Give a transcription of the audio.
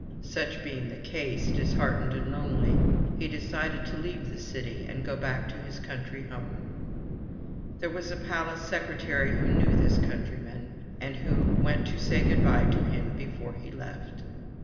Such being the case, disheartened and lonely, he decided to leave the city and go back to his country home. There was a palace secretary who knew this countryman, and who went to say good bye to him before he left.